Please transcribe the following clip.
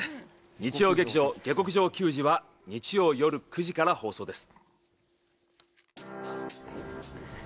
日曜劇場「下剋上球児」は日曜夜９時から放送です。